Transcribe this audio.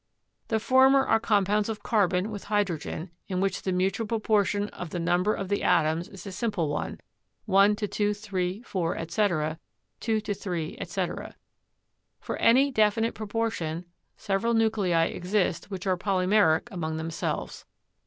The former are com pounds of carbon with hydrogen, in which the mutual proportion of the number of the atoms is a simple one (i to 2, 3, 4, etc., 2 to 3, etc.). For any definite propor tion, several nuclei exist which are polymeric among themselves.